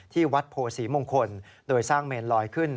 ที่วัดโพศรีมงคลโดยสร้างเมนลอยขึ้น